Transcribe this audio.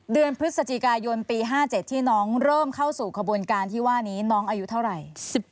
เดือนพฤศจิกายนปี๕๗ที่น้องเริ่มเข้าสู่ขบวนการที่ว่านี้น้องอายุเท่าไหร่